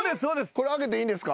これ開けていいんですか？